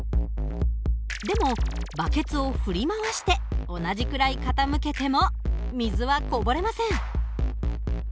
でもバケツを振り回して同じくらい傾けても水はこぼれません。